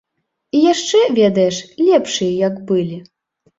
І яшчэ, ведаеш, лепшыя як былі.